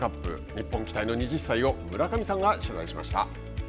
日本期待の２０歳を村上さんが取材しました。